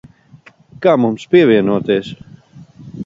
Kā mums pievienoties?